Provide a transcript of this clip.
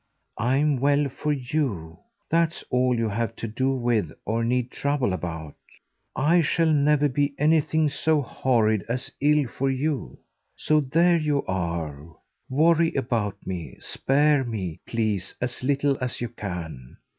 "I'm well for YOU that's all you have to do with or need trouble about: I shall never be anything so horrid as ill for you. So there you are; worry about me, spare me, please, as little as you can.